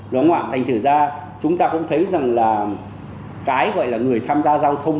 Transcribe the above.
nó ngoạn thành thử ra chúng ta cũng thấy rằng là cái gọi là người tham gia giao thông